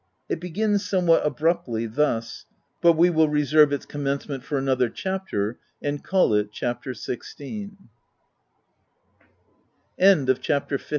It begins somewhat abruptly, thus — but we will reserve its commencement for another chapter, and call it, — OF WILDFELL HALL. 269 CHAPTER XVI.